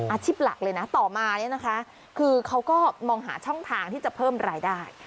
อาชีพหลักเลยนะต่อมาเนี่ยนะคะคือเขาก็มองหาช่องทางที่จะเพิ่มรายได้